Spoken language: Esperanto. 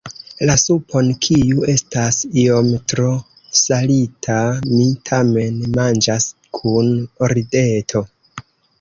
La supon, kiu estas iom tro salita, mi tamen manĝas kun rideto.